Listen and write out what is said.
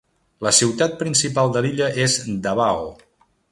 La ciutat principal de l'illa és Davao.